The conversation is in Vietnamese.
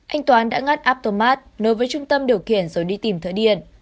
anh toán đã ngắt aptomat nối với trung tâm điều khiển rồi đi tìm thợ điện